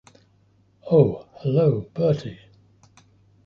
Oh, hullo, Bertie.